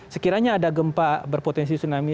sekiranya ada gempa berpotensi tsunami